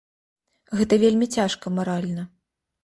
Гэта вельмі цяжка маральна.